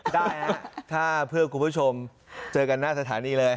ได้ฮะถ้าเพื่อคุณผู้ชมเจอกันหน้าสถานีเลย